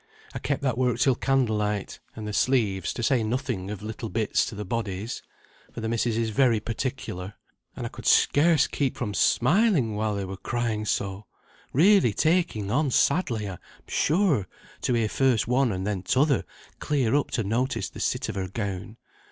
I kept that work till candlelight; and the sleeves, to say nothing of little bits to the bodies; for the missis is very particular, and I could scarce keep from smiling while they were crying so, really taking on sadly I'm sure, to hear first one and then t'other clear up to notice the sit of her gown.